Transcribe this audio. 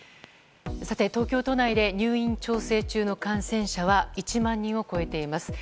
東京都内で入院調整中の感染者は１万人を超えています。